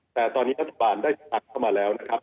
แต่ตอนนี้รัฐบาลได้พักเข้ามาแล้วนะครับ